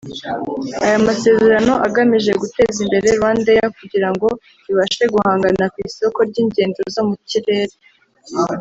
Aya masezerano agamije guteza imbere Rwandair kugira ngo ibashe guhangana ku isoko ry’igendo zo mu kirere